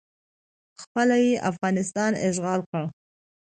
خپله یې افغانستان اشغال کړ